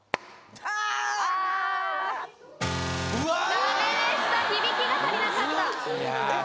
ダメでした響きが足りなかったえっ？